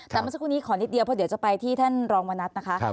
แต่เมื่อสักครู่นี้ขอนิดเดียวเพราะเดี๋ยวจะไปที่ท่านรองมณัฐนะคะ